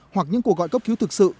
hoặc những cuộc gọi cấp cứu thực sự